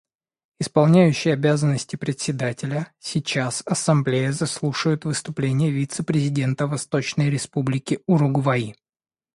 Исполняющий обязанности Председателя: Сейчас Ассамблея заслушает выступление вице-президента Восточной Республики Уругвай.